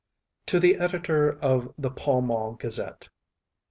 To the Editor of the Pall Mall Gazette.